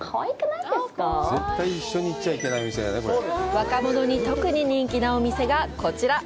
若者に特に人気なお店がこちら。